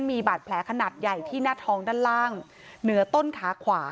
มีบาดแผลขนาดใหญ่ที่หน้าท้องด้านล่างเหนือต้นขาขวา